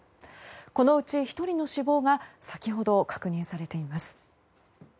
このうち１人の死亡が先ほど確認されています。